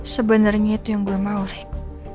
sebenarnya itu yang gue mau rick